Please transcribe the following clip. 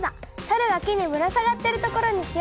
サルが木にぶらさがってるところにしよう。